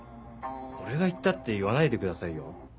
俺が言ったって言わないでくださいよ？